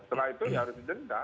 setelah itu harus denda